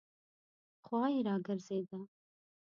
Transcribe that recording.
خوا یې راګرځېده.